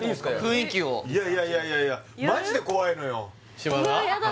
雰囲気をいやいやいやマジで怖いのよ島田？